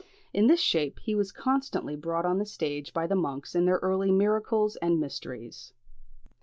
In this shape he was constantly brought on the stage by the monks in their early "miracles" and "mysteries."